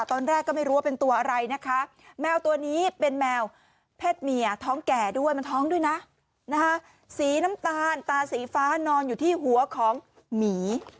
ตอนแรกก็ไม่รู้ว่าเป็นตัวอะไรนะคะแมวตัวนี้เป็นแมวเพศเมียท้องแก่ด้วยมันท้องด้วยนะสีน้ำตาลตาสีฟ้านอนอยู่ที่หัวของหมี